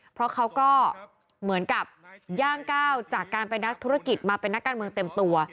เพราะเขาก็เหมือนกับย่างก้าวจากการเป็นนักธุรกิจมาเป็นนักการเมืองเต็มตัว